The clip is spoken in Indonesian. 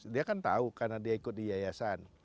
dia kan tahu karena dia ikut di yayasan